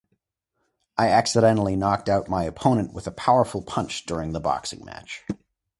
I accidentally knocked out my opponent with a powerful punch during the boxing match.